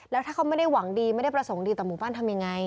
แล้วถ้าเขาไม่ได้หวังดีไม่ได้ประสงค์ดีต่อหมู่บ้านทำยังไง